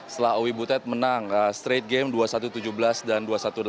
setelah owi butet menang straight game dua puluh satu tujuh belas dan dua puluh satu delapan belas